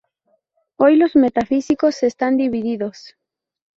Hoy los metafísicos están divididos.